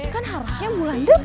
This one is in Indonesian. kan harusnya bulan depan